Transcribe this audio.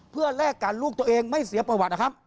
เพื่อแลกกันลูกตัวเองไม่เสียประวัตินะครับ